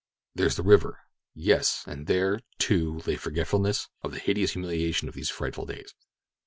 "There's the river!" Yes, and there, too, lay forgetfulness of the hideous humiliation of these frightful days.